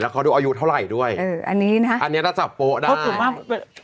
อันเนี้ยนะก็จะโปะได้